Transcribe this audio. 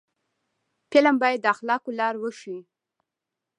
فلم باید د اخلاقو لار وښيي